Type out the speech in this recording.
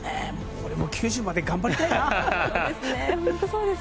俺も９０まで頑張りたいな。